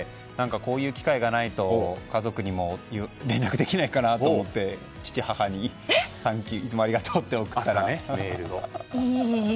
こういう機会がないと家族にも連絡できないかなと思って父、母にいつもありがとうって送りました。